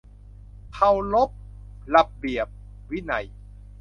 เคารพระเบียบวินัย